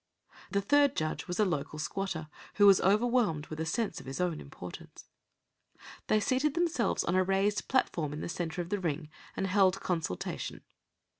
The third judge was a local squatter, who was overwhelmed with a sense of his own importance. They seated themselves on a raised platform in the centre of the ring, and held consultation.